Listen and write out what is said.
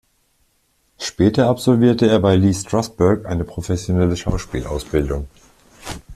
Später absolvierte er bei Lee Strasberg eine professionelle Schauspielausbildung.